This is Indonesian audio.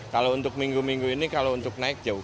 kalau untuk minggu minggu ini kalau untuk naik jauh